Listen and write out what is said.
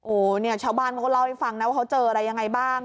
โอ้เนี่ยชาวบ้านของเราไปฟังนะว่าเขาเจออะไรยังไงบ้าง